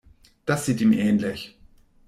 Das sieht ihm ähnlich.